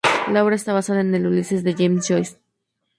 La obra está basada en el "Ulises" de James Joyce.